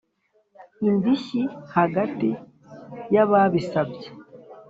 Indishyi hagati y ababisabye